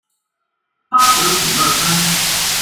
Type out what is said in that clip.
巴德孔勒潘。